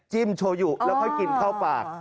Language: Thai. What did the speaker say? โชยุแล้วค่อยกินเข้าปาก